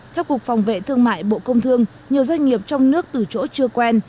theo cục phòng vệ thương mại bộ công thương nhiều doanh nghiệp trong nước từ chỗ chưa quen